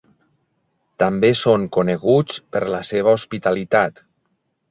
També són coneguts per la seva hospitalitat.